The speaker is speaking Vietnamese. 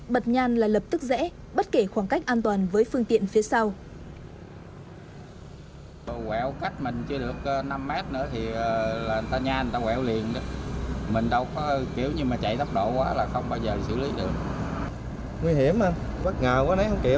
bật nhan là lập tức rẽ bất kể khoảng cách an toàn với phương tiện phía sau